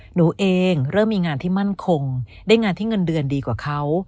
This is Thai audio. หนูเองเริ่มมีงานที่มั่นคงได้งานที่เงินเดือนดีกว่าเขา